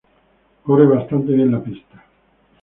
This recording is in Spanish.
Corre bastante bien la pista.